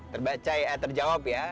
terbaca ya terjawab ya